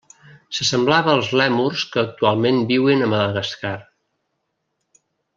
S'assemblava als lèmurs que actualment viuen a Madagascar.